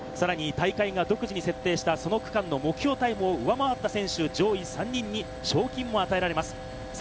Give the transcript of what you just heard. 大会が独自に設定した、その区間の目標タイムを上回った選手、上位３人に賞金も与えられます。